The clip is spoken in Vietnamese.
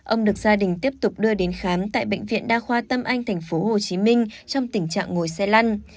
ông được gia đình tiếp tục đưa đến khám tại bệnh viện đa khoa tâm anh tp hcm trong tình trạng ngồi xe lăn